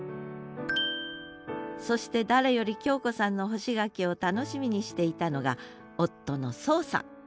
そして誰より恭子さんの干し柿を楽しみにしていたのが夫の荘さん。